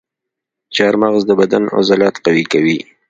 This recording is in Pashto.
چارمغز د بدن عضلات قوي کوي.